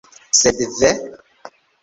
Sed, ve!